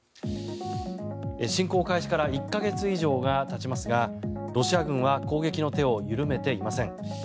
侵攻開始から１か月以上がたちますがロシア軍は攻撃の手を緩めていません。